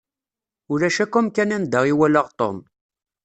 Ulac akk amkan anda i walaɣ Tom.